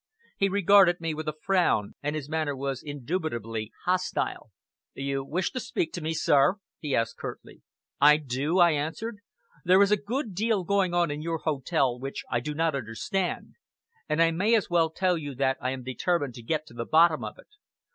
He regarded me with a frown, and his manner was indubitably hostile. "You wish to speak to me, sir?" he asked curtly. "I do!" I answered. "There is a good deal going on in your hotel which I do not understand; and I may as well tell you that I am determined to get to the bottom of it.